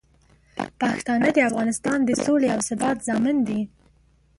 پښتانه د افغانستان د سولې او ثبات ضامن دي.